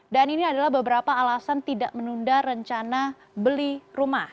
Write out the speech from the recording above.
dan ini adalah beberapa alasan tidak menunda rencana beli rumah